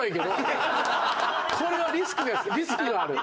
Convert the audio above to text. これはリスクがある。